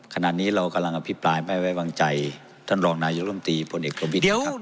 ขณะนี้เรากำลังอภิปรายไม่ไว้วางใจท่านรองนายกรรมตรีพลเอกประวิทย์นะครับ